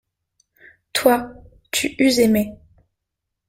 Toi, tu eus aimé.